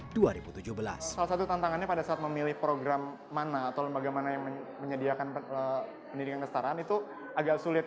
salah satu tantangannya pada saat memilih program mana atau lembaga mana yang menyediakan pendidikan kestaraan itu agak sulit